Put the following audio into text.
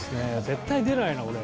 絶対出ないな俺。